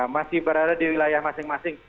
masih berada di wilayah masing masing